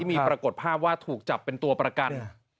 มีปรากฏภาพว่าถูกจับเป็นตัวประกัน